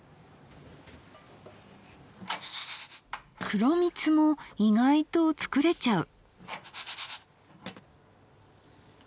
黒みつも意外と作れちゃう。